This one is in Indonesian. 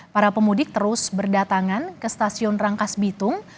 para pemudik terus berdatangan ke stasiun rangkas bitung